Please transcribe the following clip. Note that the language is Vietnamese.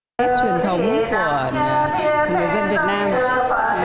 nó là một nét truyền thống của người dân việt nam